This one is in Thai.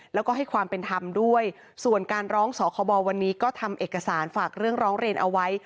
แล้วก็ให้ความเป็นธรรมด้วยส่วนการร้องสคบวันนี้ก็ทำเอกสารฝากเรื่องร้องเรียนเอาไว้